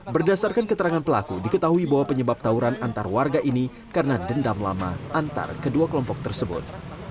berdasarkan keterangan pelaku diketahui bahwa penyebab tawuran antar warga ini karena dendam lama antar kedua kelompok tersebut